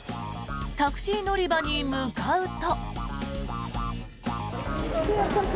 タクシー乗り場に向かうと。